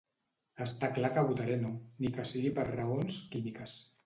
Està clar que votaré No, ni que sigui per raons químiques.